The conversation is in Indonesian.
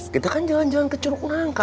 kita kan jalan jalan ke curug nangka